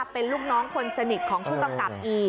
เป็นลูกน้องคนสนิทของผู้กำกับอีก